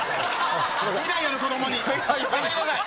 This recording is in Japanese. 未来ある子供にやめてください。